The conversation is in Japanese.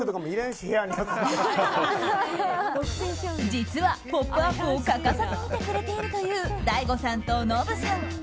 実は「ポップＵＰ！」を欠かさず見てくれているという大吾さんとノブさん。